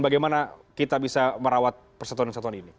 bagaimana kita bisa merawat persatuan kesatuan ini